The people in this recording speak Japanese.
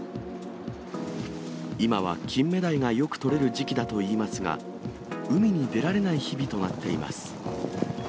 今はキンメダイがよく取れる時期だといいますが、海に出られない日々となっています。